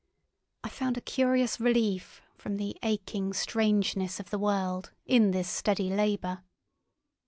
I found a curious relief from the aching strangeness of the world in this steady labour.